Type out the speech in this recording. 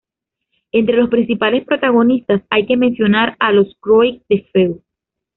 Entre los principales protagonistas, hay que mencionar a los "Croix-de-feu".